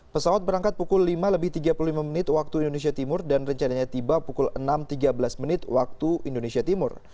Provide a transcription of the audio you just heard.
pesawat berangkat pukul lima lebih tiga puluh lima menit waktu indonesia timur dan rencananya tiba pukul enam tiga belas menit waktu indonesia timur